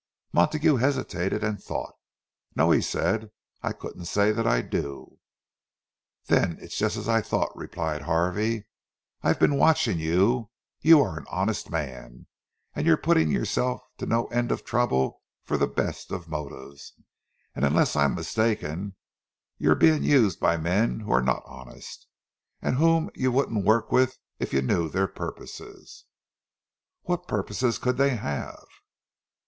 Montague hesitated, and thought. "No," he said, "I couldn't say that I do." "Then it's just as I thought," replied Harvey. "I've been watching you—you are an honest man, and you're putting yourself to no end of trouble from the best of motives. And unless I'm mistaken, you're being used by men who are not honest, and whom you wouldn't work with if you knew their purposes." "What purposes could they have?"